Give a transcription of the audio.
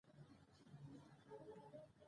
ازادي راډیو د سوداګریز تړونونه اړوند مرکې کړي.